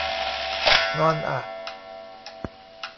งอนอะ